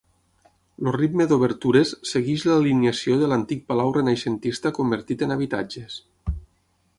El ritme d'obertures segueix l'alineació de l'antic palau renaixentista convertit en habitatges.